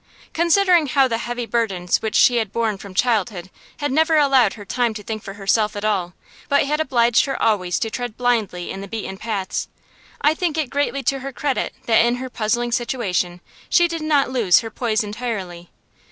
Considering how the heavy burdens which she had borne from childhood had never allowed her time to think for herself at all, but had obliged her always to tread blindly in the beaten paths, I think it greatly to her credit that in her puzzling situation she did not lose her poise entirely.